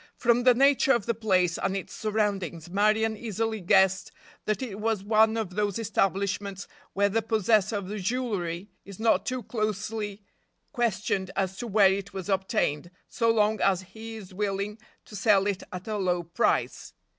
From the nature of the place and its surroundings Marion easily guessed that it was one of those establishments where the possessor of jewelry is not too closely questioned as to where it was obtained, so long as he is willing to sell it at a low price.